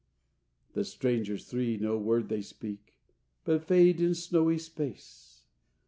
The strangers three, no word they speak, But fade in snowy space!